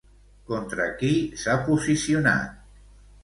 Contra qui s'ha posicionat?